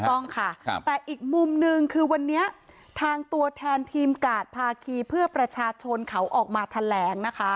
ต้องค่ะแต่อีกมุมหนึ่งคือวันนี้ทางตัวแทนทีมกาดภาคีเพื่อประชาชนเขาออกมาแถลงนะคะ